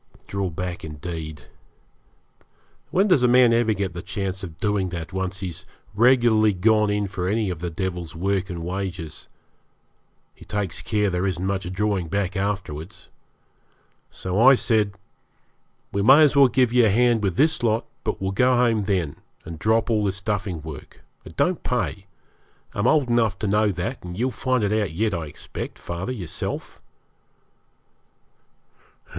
Draw back, indeed! When does a man ever get the chance of doing that, once he's regularly gone in for any of the devil's work and wages? He takes care there isn't much drawing back afterwards. So I said 'We may as well give you a hand with this lot; but we'll go home then, and drop all this duffing work. It don't pay. I'm old enough to know that, and you'll find it out yet, I expect, father, yourself.'